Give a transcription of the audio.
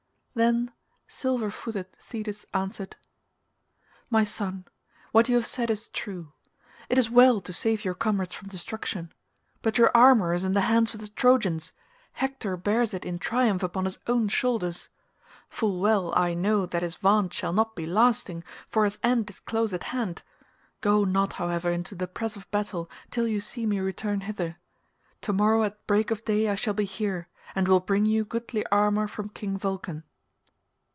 Then silver footed Thetis answered, "My son, what you have said is true. It is well to save your comrades from destruction, but your armour is in the hands of the Trojans; Hector bears it in triumph upon his own shoulders. Full well I know that his vaunt shall not be lasting, for his end is close at hand; go not, however, into the press of battle till you see me return hither; to morrow at break of day I shall be here, and will bring you goodly armour from King Vulcan."